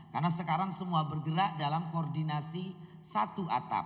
karena sekarang semua bergerak dalam koordinasi satu atap